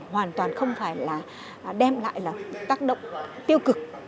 hoàn toàn không phải là đem lại là tác động tiêu cực